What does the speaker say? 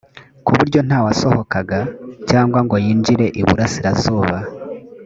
ku buryo nta wasohokaga cyangwa ngo yinjire iburasirazuba